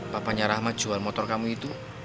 bapaknya rahma jual motor kamu itu